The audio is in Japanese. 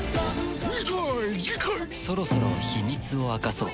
そろそろ秘密を明かそう。